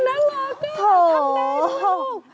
น่ารักอ่ะทำได้ช่วยลูก